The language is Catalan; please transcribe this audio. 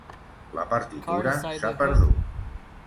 La partitura s'ha perdut.